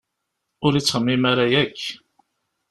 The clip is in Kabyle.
Ur ittxemmim ara akk!